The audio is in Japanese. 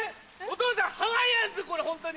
お父さん！